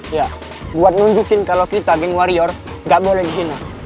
iya buat nunjukin kalo kita geng warrior gak boleh disini